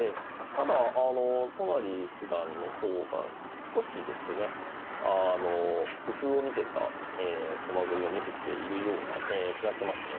ただ都成七段の方が少しですね工夫を見せた駒組みを見せているような気がしますね。